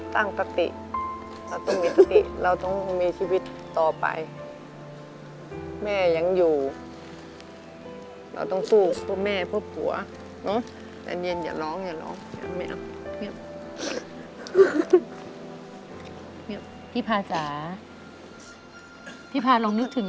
ตั้งสติเราต้องมีสติเราต้องมีชีวิตต่อไปแม่ยังอยู่เราต้องสู้เพื่อแม่เพื่อผัวเนอะ